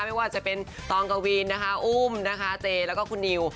ไม่ว่าจะเป็นตองกวีนนะคะอุ้มนะคะเจแล้วก็คุณนิว